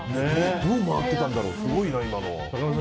どう回っていたんだろうすごいな、今の。